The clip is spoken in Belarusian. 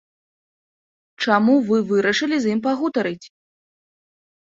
Чаму вы вырашылі з ім пагутарыць?